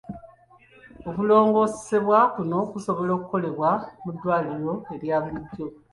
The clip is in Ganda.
Okulongoosebwa kuno kusobola okukolebwa mu ddwaliro erya bulijjo.